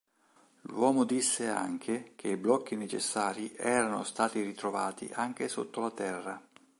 L'uomo disse anche che i blocchi necessari erano stati ritrovati anche sotto la terra.